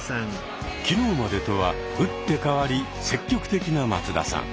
昨日までとは打って変わり積極的な松田さん。